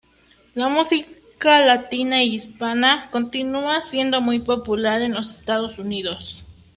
La música latina e hispana continúa siendo muy popular en los Estados Unidos.